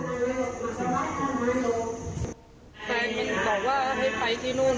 เสร็จแล้วน้องครีมไม่ไปแล้วแม่เขาโทรมา